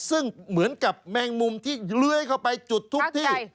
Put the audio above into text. ซึ่งเหมือนกับแมงมุมที่เลื้อยเข้าไปจุดทุกที่